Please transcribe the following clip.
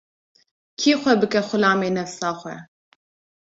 Kî xwe bike xulamê nefsa xwe